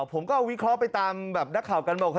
ผมก็วิเคราะห์ไปตามนักข่ากันบอกว่า